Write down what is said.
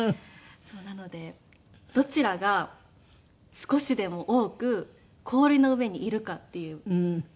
なのでどちらが少しでも多く氷の上にいるかっていう。